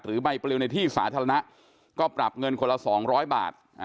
ถือใหม่ไปเร็วในที่สาธารณะก็ปรับเงินคนละ๒๐๐บาท